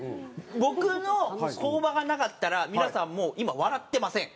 僕の工場がなかったら皆さんもう今笑ってません。